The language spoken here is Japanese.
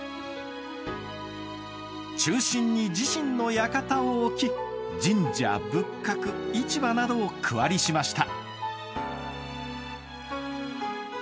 中心に自身の館を置き神社・仏閣市場などを区割りしました。